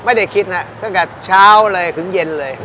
ไม่ได้คิดนะตั้งแต่เช้าเลยถึงเย็นเลย